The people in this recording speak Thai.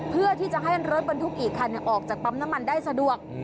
เพื่อที่จะให้รถบรรทุกอีกคันออกจากปั๊มน้ำมันได้สะดวก